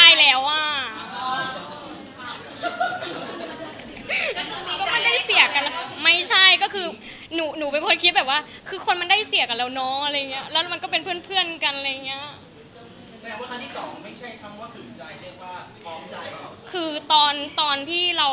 อ้าแต่ครั้งแรกเราโดนคืนใจเราก็ต้องรู้สึกว่าเถอะ